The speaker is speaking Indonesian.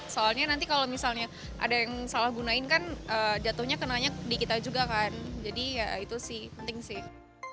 soalnya nanti kalau misalnya ada yang salah gunain kan jatuhnya kenanya di kita juga kan jadi ya itu sih penting sih